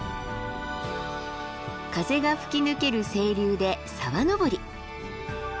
風が吹き抜ける清流で沢登り。